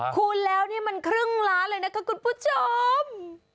คูณแล้วนี่มันครึ่งล้านเลยนะคะคุณผู้ชม